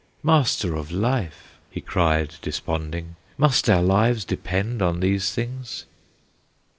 "Master of Life!" he cried, desponding, "Must our lives depend on these things?"